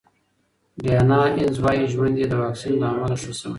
ډیانا اینز وايي ژوند یې د واکسین له امله ښه شوی.